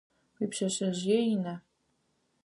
Уипшъэшъэжъые ина?